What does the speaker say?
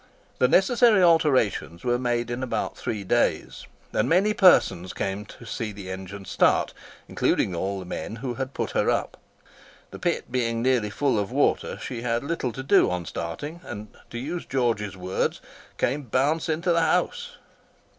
The necessary alterations were made in about three days, and many persons came to see the engine start, including the men who had put her up. The pit being nearly full of water, she had little to do on starting, and, to use George's words, "came bounce into the house."